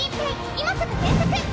今すぐ検索！